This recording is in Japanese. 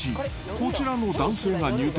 こちらの男性が入店。